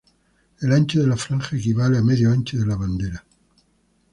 El ancho de la franja equivale a medio ancho de la bandera.